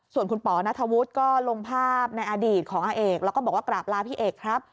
ส่วนคุณป๋อนัทธวุฒิก็ลงภาพในอดีตของอาเอกแล้วก็บอกว่ากราบลาพี่เอกครับ